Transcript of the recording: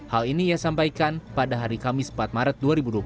hal ini ia sampaikan pada hari kamis empat maret dua ribu dua puluh